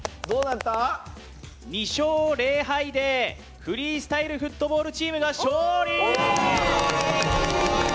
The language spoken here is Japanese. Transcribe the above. ２勝０敗でフリースタイルフットボールチームが勝利！